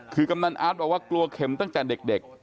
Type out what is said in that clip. คือกำนันอาร์ตบอกว่ากลัวเข็มตั้งแต่เด็ก